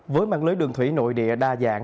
với mạng lưới đường thủy nội địa đa dạng